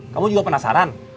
kamu juga penasaran